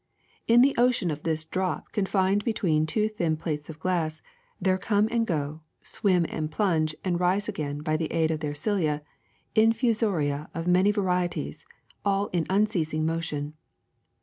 In the ocean of this drop confined between two thin plates of glass, there come and go, swim and plunge and rise again by the aid of their cilia, infusoria of many varieties, all in unceasing motion.